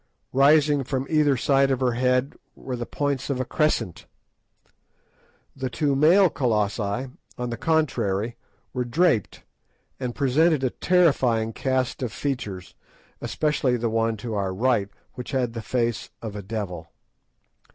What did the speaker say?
Rising from either side of her head were the points of a crescent. The two male Colossi, on the contrary, were draped, and presented a terrifying cast of features, especially the one to our right, which had the face of a devil.